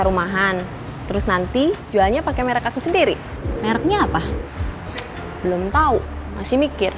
rumahan terus nanti jualnya pakai merek aku sendiri mereknya apa belum tahu masih mikir